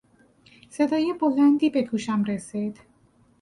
صدای بلندی به گوشم رسید.